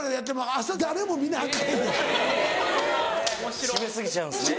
閉め過ぎちゃうんですね。